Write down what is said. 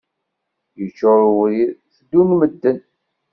Yeččur webrid, teddun medden.